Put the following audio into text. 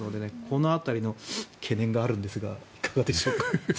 この辺りの懸念があるんですがいかがでしょうか。